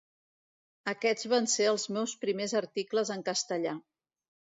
Aquests van ser els meus primers articles en castellà.